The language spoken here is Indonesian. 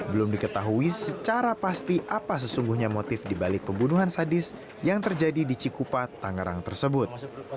belum diketahui secara pasti apa sesungguhnya motif dibalik pembunuhan sadis yang terjadi di cikupa tangerang tersebut